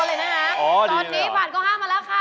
อ๋อดีเลยหรอตอนนี้ผ่านข้อ๕มาแล้วค่ะ